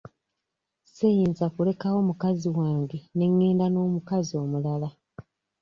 Siyinza kulekawo mukazi wange ne ngenda n'omukazi omulala.